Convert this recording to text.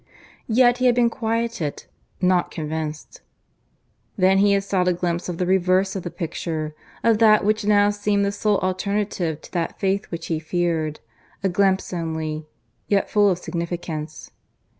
Yet he had been quieted; not convinced. Then he had sought a glimpse of the reverse of the picture of that which now seemed the sole alternative to that faith which he feared a glimpse only; yet full of significance.